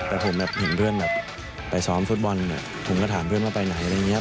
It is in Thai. แต่ผมแบบเห็นเพื่อนแบบไปซ้อมฟุตบอลผมก็ถามเพื่อนว่าไปไหนอะไรอย่างนี้